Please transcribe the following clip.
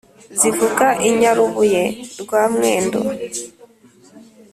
zivuga i nyarubuye rwa mwendo